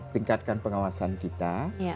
tingkatkan pengawasan kita